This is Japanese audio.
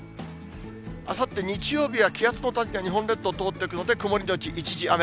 あさって日曜日は、気圧の谷が日本列島通っていくので曇り後一時雨。